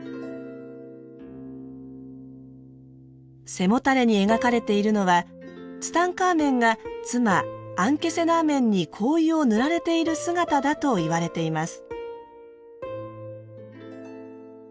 背もたれに描かれているのはツタンカーメンが妻アンケセナーメンに香油を塗られている姿だといわれています。